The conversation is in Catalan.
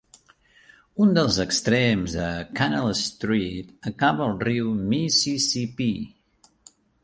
Un dels extrems de Canal Street acaba al riu Mississippí.